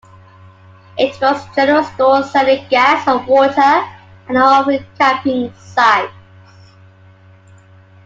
It was a general store selling gas and water and offering camping sites.